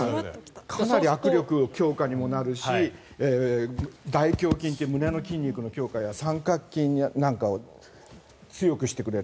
かなり握力強化にもなるし大胸筋っていう胸の筋肉の強化や三角筋なんかを強くしてくれる。